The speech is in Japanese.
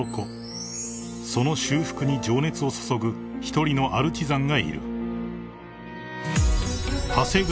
［その修復に情熱を注ぐ一人のアルチザンがいる］